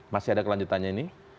masih ada kelanjutannya ini